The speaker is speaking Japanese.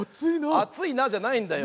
「暑いな」じゃないんだよ。